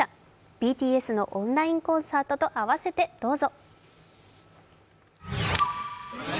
ＢＴＳのオンラインコンサートと合わせてどうぞ。